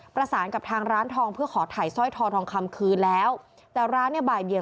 ประสานกับทางร้านทองเพื่อขอถ่ายสร้อยทอทองคำคืนแล้วแต่ร้านเนี่ยบ่ายเบียง